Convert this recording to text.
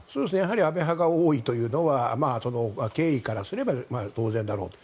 安倍派が多いというのは経緯からすれば当然だろうと。